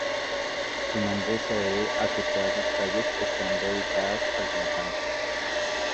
Su nombre se debe a que todas sus calles están dedicadas a algún santo.